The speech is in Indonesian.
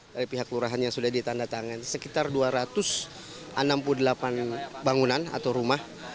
dari pihak lurahannya sudah ditandatangani sekitar dua ratus enam puluh delapan bangunan atau rumah